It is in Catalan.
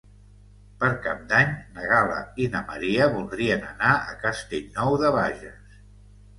Per Cap d'Any na Gal·la i na Maria voldrien anar a Castellnou de Bages.